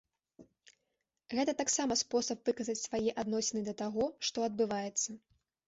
Гэта таксама спосаб выказаць свае адносіны да таго, што адбываецца.